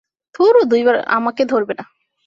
আমাকে ধরবে না!